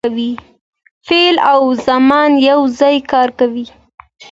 فعل او زمان یو ځای کار کوي.